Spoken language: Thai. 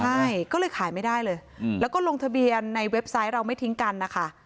ใช่ก็เลยขายไม่ได้เลยแล้วก็ลงทะเบียนในเว็บไซต์เราไม่ทิ้งกันนะคะ